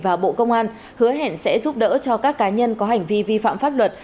và bộ công an hứa hẹn sẽ giúp đỡ cho các cá nhân có hành vi vi phạm pháp luật